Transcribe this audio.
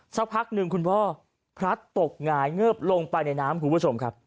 สักพักหนึ่งคุณพ่อพลัดตกหงายเงิบลงไปในน้ำคุณผู้ชมครับ